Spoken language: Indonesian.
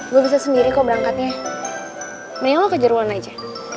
gua bisa sendiri kok berangkatnya mending lu kejar wan aja